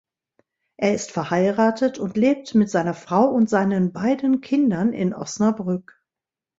Er ist verheiratet und lebt mit seiner Frau und seinen beiden Kindern in Osnabrück.